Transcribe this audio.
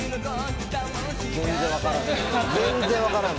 全然分からん